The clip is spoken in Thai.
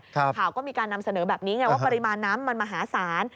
ข่าวก็มีการนำเสนอแบบนี้ไงว่าปริมาณน้ำมันมหาศาล